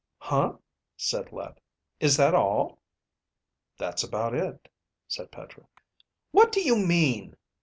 "Huh?" said Let. "Is that all?" "That's about it," said Petra. "What do you mean?"